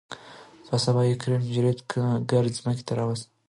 په سبا يې کريم جريب ګر ځمکې ته راوستو.